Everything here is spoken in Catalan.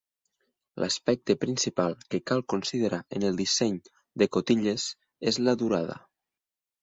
L'aspecte principal que cal considerar en el disseny de cotilles és la durada.